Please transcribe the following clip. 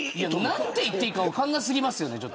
何て言っていいか分かんなすぎますよね。